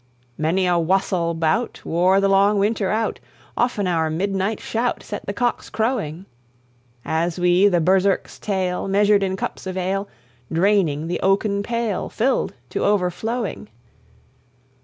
"Many a wassail bout Wore the long Winter out; Often our midnight shout Set the cocks crowing, As we the Berserk's tale Measured in cups of ale, Draining the oaken pail Filled to overflowing.